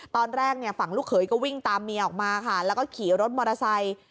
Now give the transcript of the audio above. ตอนแรกเนี่ยฝั่งลูกเขยก็วิ่งตามเมียออกมาค่ะแล้วก็ขี่รถมอเตอร์ไซค์